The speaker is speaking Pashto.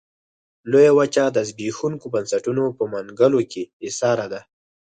لویه وچه د زبېښونکو بنسټونو په منګلو کې ایساره ده.